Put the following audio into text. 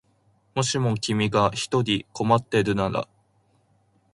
もしも君が一人困ってるなら